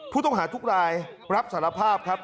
ผู้ต้องหาทุกรายรับสารภาพครับ